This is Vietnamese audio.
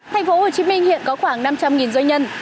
thành phố hồ chí minh hiện có khoảng năm trăm linh doanh nhân